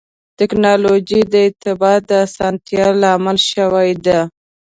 ټکنالوجي د ارتباط د اسانتیا لامل شوې ده.